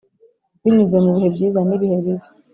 binyuze mu bihe byiza n'ibihe bibi